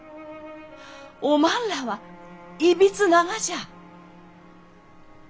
おまんらはいびつながじゃ！